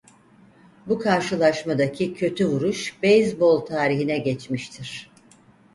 Bu karşılaşmadaki kötü vuruş beyzbol tarihine geçmiştir.